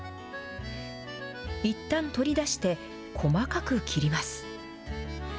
いったん取り出して、細かく切ります。